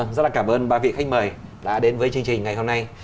rất là cảm ơn ba vị khách mời đã đến với chương trình ngày hôm nay